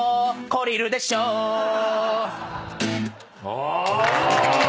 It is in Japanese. お！